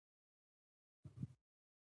په سیلو کې یې وساتي.